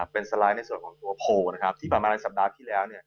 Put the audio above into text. เป็นสไลด์ในส่วนของตัวโพลนะครับที่ประมาณในสัปดาห์ที่แล้ว